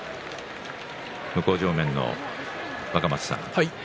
向正面の若松さん